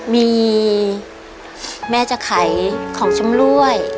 มีแม่จะขายของชำรวย